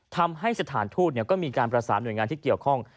ทำให้สถานทูตก็มีการประสานหน่วยงานที่เกี่ยวข้อง